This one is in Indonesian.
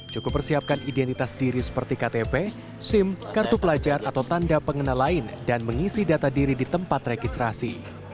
cukup persiapkan identitas diri seperti ktp sim kartu pelajar atau tanda pengenal lain dan mengisi data diri di tempat registrasi